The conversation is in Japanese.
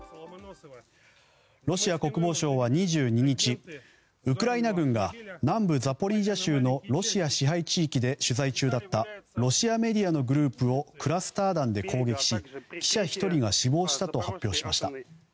ロシア国防省は２２日ウクライナ軍が南部ザポリージャ州のロシア支配地域で取材中だったロシアメディアのグループをクラスター弾で攻撃し記者１人が死亡したと発表しました。